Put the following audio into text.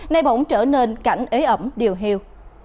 nay bỗng trở nên cảnh ế ẩm điều hiệu